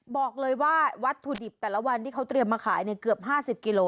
บอกเลยว่าวัตถุดิบแต่ละวันที่เขาเตรียมมาขายเกือบ๕๐กิโล